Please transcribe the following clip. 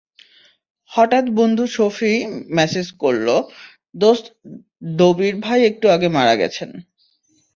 হঠাৎ বন্ধু সফি মেসেজ করল, দোস্ত দবির ভাই একটু আগে মারা গেছেন।